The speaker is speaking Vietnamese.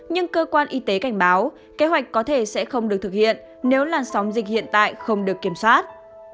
nhưng cơ quan y tế cảnh báo kế hoạch có thể sẽ không được thực hiện nếu làn sóng dịch hiện tại không được kiểm soát